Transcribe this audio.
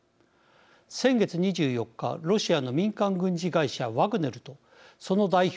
先月２４日ロシアの民間軍事会社ワグネルとその代表